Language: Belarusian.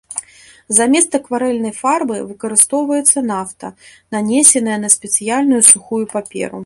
Замест акварэльнай фарбы выкарыстоўваецца нафта, нанесеная на спецыяльную сухую паперу.